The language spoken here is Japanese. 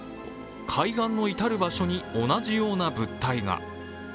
海岸のいたる場所に同じような物体が。